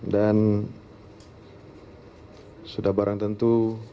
dan sudah barang tentu